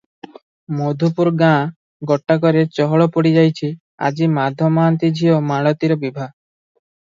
ମଧୁପୁର ଗାଁ ଗୋଟାକରେ ଚହଳ ପଡ଼ି ଯାଇଛି, ଆଜି ମାଧ ମହାନ୍ତି ଝିଅ ମାଳତୀର ବିଭା ।